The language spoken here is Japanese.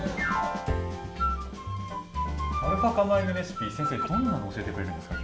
アルファ化米のレシピ、どんなものを教えてくれるんですか。